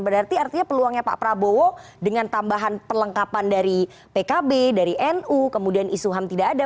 berarti artinya peluangnya pak prabowo dengan tambahan perlengkapan dari pkb dari nu kemudian isu ham tidak ada